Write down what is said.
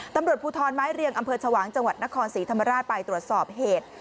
ตำรวจภูทรไม้เรียงอำเภอชวางจังหวัดนครศรีธรรมราชไปตรวจสอบเหตุ